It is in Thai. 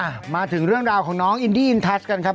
มาถึงเรื่องราวของน้องอินดี้อินทัศน์กันครับ